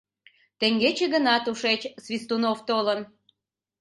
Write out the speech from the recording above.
Теҥгече гына тушеч Свистунов толын.